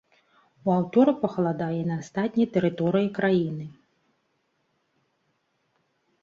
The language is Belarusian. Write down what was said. У аўторак пахаладае і на астатняй тэрыторыі краіны.